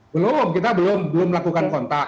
belum kita belum melakukan kontak